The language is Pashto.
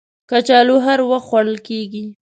کچالو هر وخت خوړل کېږي